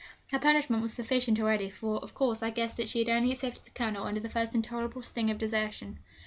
Her punishment was sufficient already, for, of course, I guessed that she had only accepted the Colonel under the first intolerable sting of desertion.